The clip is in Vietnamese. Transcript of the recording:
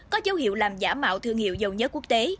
có dấu hiệu làm giả mạo thương hiệu dầu nhất quốc tế